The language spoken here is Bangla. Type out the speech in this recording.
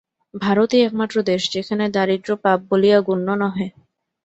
ভারতই একমাত্র দেশ, যেখানে দারিদ্র্য পাপ বলিয়া গণ্য নহে।